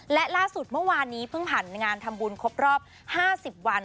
และล่าสุดเมื่อวานนี้เพิ่งผ่านงานทำบุญครบรอบ๕๐วัน